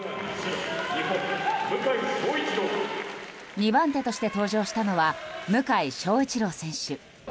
２番手として登場したのは向翔一郎選手。